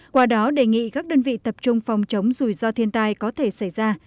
qua đó đề nghị các đơn vị tập trung phòng chống rủi ro thiên tai có thể xảy ra